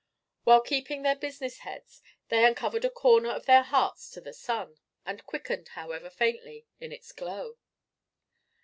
While keeping their business heads, they uncovered a corner of their hearts to the sun, and quickened, however faintly, in its glow.